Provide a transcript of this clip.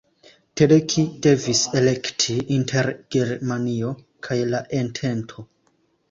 Teleki devis elekti inter Germanio kaj la entento.